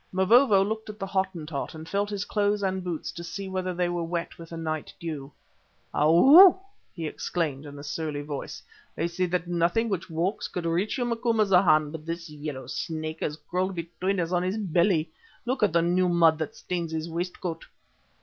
Mavovo looked at the Hottentot and felt his clothes and boots to see whether they were wet with the night dew. "Ow!" he exclaimed in a surly voice, "I said that nothing which walks could reach you, Macumazana, but this yellow snake has crawled between us on his belly. Look at the new mud that stains his waistcoat."